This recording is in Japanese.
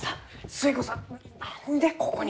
寿恵子さん何でここに？